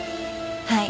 はい。